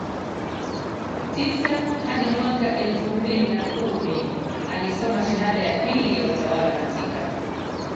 tisa hadi mwaka elfu mbili na kumi alisoma shahada ya pili ya utawala katika